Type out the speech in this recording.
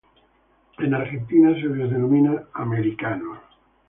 En Argentina se los denomina "americanos".